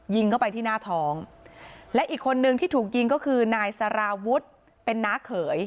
ยิงเข้าไปที่หน้าท้องและอีกคนนึงที่ถูกยิงก็คือนายสารวุฒิเป็นน้าเขย